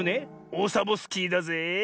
オサボスキーだぜえ。